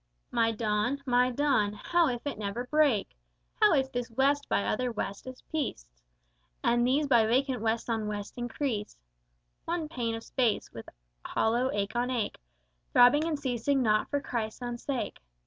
"My Dawn? my Dawn? How if it never break? How if this West by other Wests is pieced, And these by vacant Wests on Wests increased One Pain of Space, with hollow ache on ache Throbbing and ceasing not for Christ's own sake?